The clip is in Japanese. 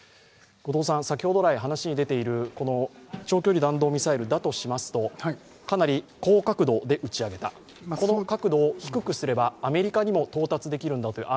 後藤さん、先ほど来、話に出ている長距離弾道ミサイルだとしますとかなり高角度で打ち上げた、この角度を低くすればアメリカにも到達できるんだと。